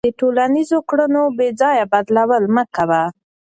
د ټولنیزو کړنو بېځایه بدلول مه کوه.